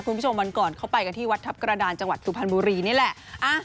คุณผู้ชมวันก่อนเข้าไปกันที่วัดทัพกระดานจังหวัดสุพรรณบุรีนี่แหละ